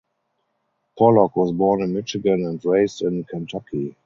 Pollock was born in Michigan and raised in Kentucky.